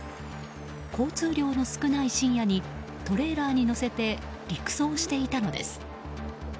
交通量の少ない深夜にトレーラーに載せて陸送していたのです。